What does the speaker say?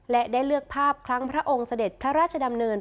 และได้เลือกภาพครั้งพระองค์เสด็จพระราชดำเนิน